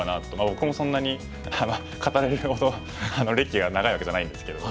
僕もそんなに語れるほど歴が長いわけじゃないんですけど。